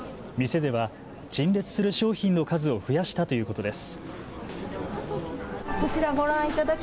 店では陳列する商品の数を増やしたということです。